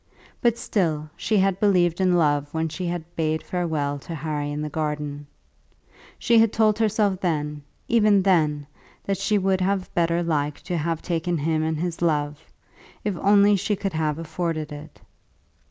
But still she had believed in love when she had bade farewell to Harry in the garden. She had told herself then, even then, that she would have better liked to have taken him and his love, if only she could have afforded it.